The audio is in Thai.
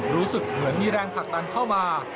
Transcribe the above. รู้สึกเหมือนมีแรงผลักดันเข้ามา